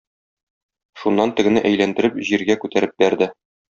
Шуннан тегене әйләндереп җиргә күтәреп бәрде.